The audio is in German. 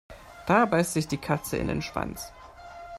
Da beißt sich die Katze in den Schwanz.